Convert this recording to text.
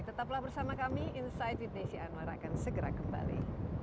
tetaplah bersama kami inside indonesia anwar akan segera kembali